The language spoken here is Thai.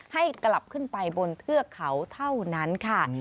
ให้กลับขึ้นไปบนเทือกเขาเท่านั้นค่ะ